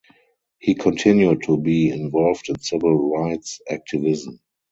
He continued to be involved in civil rights activism.